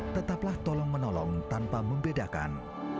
tetaplah tolong menolong tanpa membedakan